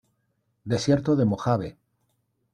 Desierto de Mojave.